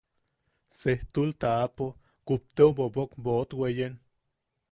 Sejtul taʼapo kupteo bobok boʼot weyen.